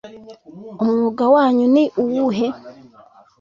Umwuga wanyu ni uwuhe.